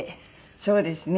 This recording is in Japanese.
そうですね。